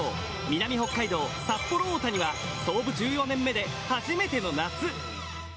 南北海道札幌大谷は創部１４年目で初めての夏。